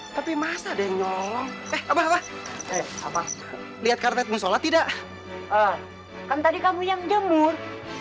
tapi masa ada yang nyolong eh apa apa lihat karet mushollah tidak kan tadi kamu yang jemur